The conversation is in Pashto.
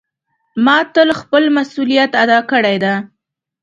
ما تل خپل مسؤلیت ادا کړی ده.